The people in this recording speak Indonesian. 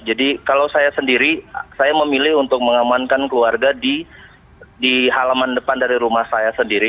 jadi kalau saya sendiri saya memilih untuk mengamankan keluarga di halaman depan dari rumah saya sendiri